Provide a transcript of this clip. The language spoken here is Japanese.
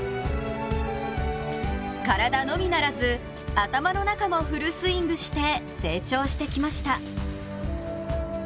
体のみならず、頭の中もフルスイングして成長してきました。